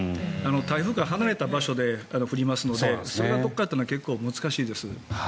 台風から離れた場所で降りますのでそれからというのは結構難しいです。